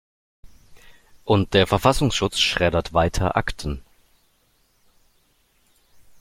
Und der Verfassungsschutz schreddert weiter Akten.